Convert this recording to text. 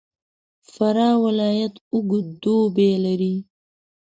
فراه ولایت اوږد دوبی لري.